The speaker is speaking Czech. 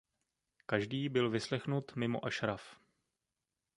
Každý byl vyslechnut mimo Ashraf.